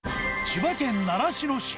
千葉県習志野市。